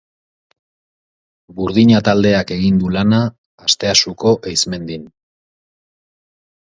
Burdina taldeak egin du lana Asteasuko Eizmendin;